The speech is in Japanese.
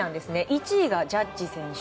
１位がジャッジ選手。